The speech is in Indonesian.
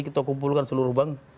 kita kumpulkan seluruh bank